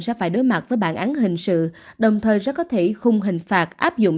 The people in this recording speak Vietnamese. sẽ phải đối mặt với bản án hình sự đồng thời rất có thể khung hình phạt áp dụng